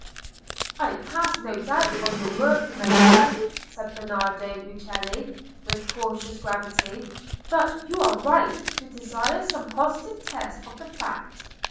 "I cast no doubt on your word, Melema," said Bernardo Rucellai, with cautious gravity, "but you are right to desire some positive test of the fact."